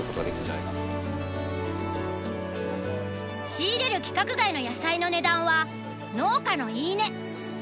仕入れる規格外の野菜の値段は農家の言い値。